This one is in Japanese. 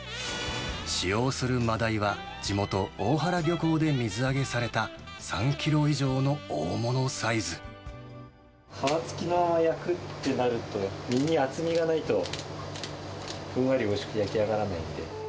使用するマダイは地元、大原漁港で水揚げされた、皮付きのまま焼くってなると、身に厚みがないと、ふんわりおいしく焼き上がらないので。